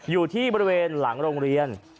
อยู่ที่บริเวณหลังโรงเรียน